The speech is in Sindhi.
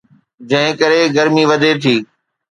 جنهن ڪري گرمي وڌي ٿي.